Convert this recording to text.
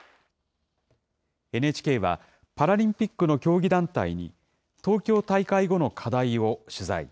ＮＨＫは、パラリンピックの競技団体に、東京大会後の課題を取材。